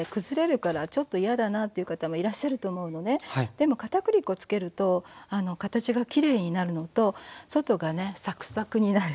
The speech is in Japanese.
でも片栗粉つけると形がきれいになるのと外がねサクサクになる。